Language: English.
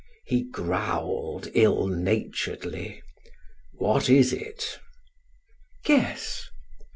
He growled ill naturedly: "What is it?" "Guess."